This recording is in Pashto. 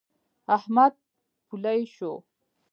احمد پولۍ شو.